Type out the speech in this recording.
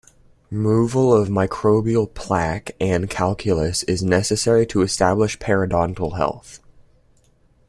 Removal of microbial plaque and calculus is necessary to establish periodontal health.